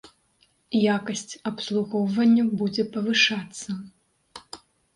Якасць абслугоўвання будзе павышацца.